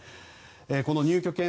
この入居権